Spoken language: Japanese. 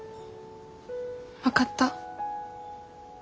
分かった。